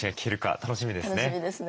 楽しみですね。